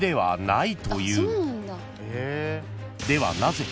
はい。